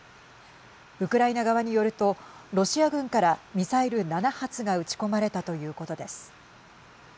ウクライナ側によるとロシア軍からミサイル７発が撃ち込まれたということです。